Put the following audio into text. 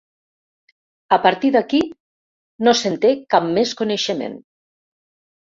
A partir d'aquí no se'n té cap més coneixement.